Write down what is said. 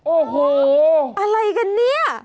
โอ้โหอะไรกันเนี่ย